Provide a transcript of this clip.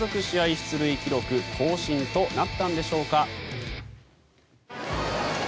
出塁記録更新となったのでしょうか。